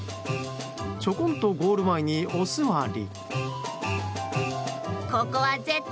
ちょこんとゴール前におすわり。